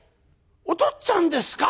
おとっつぁんですか？